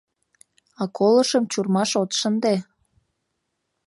А колышым чурмаш от шынде.